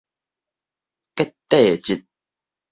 結締織